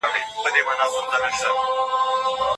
استازي ولي د بیان ازادي خوندي کوي؟